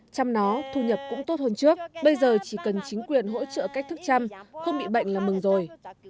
chăm nó thu nhập cũng tốt hơn trước bây giờ chỉ cần chính quyền hỗ trợ cách thức chăm không bị bệnh là mừng rồi